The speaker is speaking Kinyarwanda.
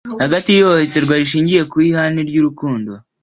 hagati y'ihohoterwa rishingiye ku ihame ry'urukundo